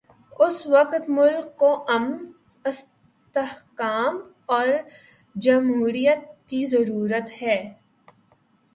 اس وقت ملک کو امن، استحکام اور جمہوریت کی ضرورت ہے۔